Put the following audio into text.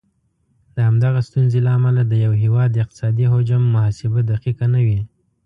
د همدغه ستونزې له امله د یو هیواد اقتصادي حجم محاسبه دقیقه نه وي.